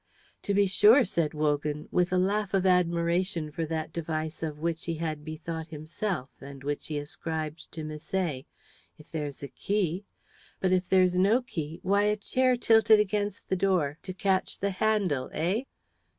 "To be sure," said Wogan, with a laugh of admiration for that device of which he had bethought himself, and which he ascribed to Misset, "if there's a key; but if there's no key, why, a chair tilted against the door to catch the handle, eh?"